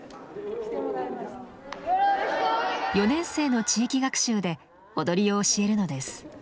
４年生の地域学習で踊りを教えるのです。